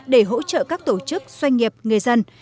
để hỗ trợ các tổ chức doanh nghiệp người dân